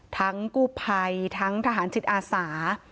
ทั้งกู้ภัยทั้งทหารจิตอาสา